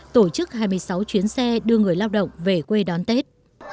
tổ chức hai mươi sáu chuyến xe đưa người lao động về quê đón tết